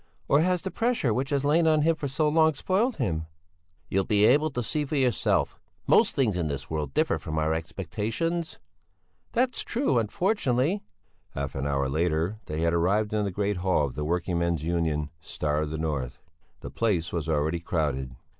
Or has the pressure which has lain on him for so long spoiled him?" "You'll be able to see for yourself. Most things in this world differ from our expectations." "That's true, unfortunately." Half an hour later they had arrived in the great hall of the working men's union "Star of the North." The place was already crowded.